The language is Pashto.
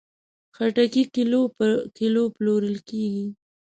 خټکی کیلو په کیلو پلورل کېږي.